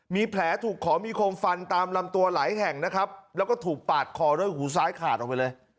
มีแผลถูกขอมีคมฟันตามลำตัวหลายแห่งนะครับแล้วก็ถูกปาดคอด้วยหูซ้ายขาดออกไปเลย